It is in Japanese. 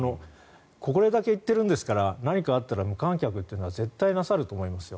これだけ言ってるんですから何かあったら無観客というのは絶対なさると思いますよ。